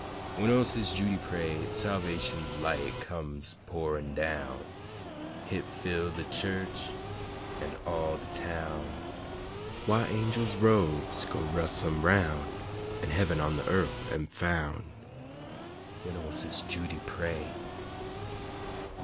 When ol' Sis' Judy pray, Salvation's light comes pourin' down Hit fill de chu'ch an' all de town Why, angels' robes go rustlin' 'roun', An' hebben on de Yurf am foun', When ol' Sis' Judy pray.